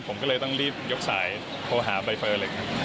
ผมก็เลยต้องรีบยกสายโทรหาใบเฟิร์นเลยครับ